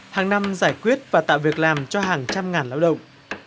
hàng năm giải quyết và tạo việc làm cho hàng trăm ngàn lao động